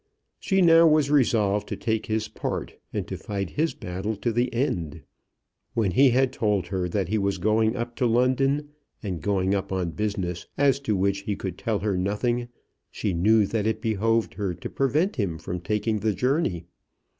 She now was resolved to take his part, and to fight his battle to the end. When he had told her that he was going up to London, and going up on business as to which he could tell her nothing, she knew that it behoved her to prevent him from taking the journey.